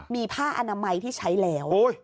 มีผ้าอนามัยที่ใช้แล้ว